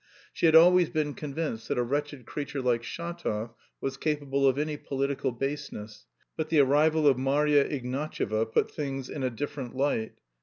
She had always been convinced that "a wretched creature like Shatov was capable of any political baseness," but the arrival of Marya Ignatyevna put things in a different light.